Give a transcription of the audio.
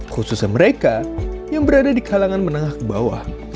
khususnya mereka yang berada di kalangan menengah ke bawah